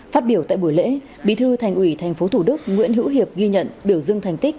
phát biểu tại buổi lễ bí thư thành ủy tp thủ đức nguyễn hữu hiệp ghi nhận biểu dương thành tích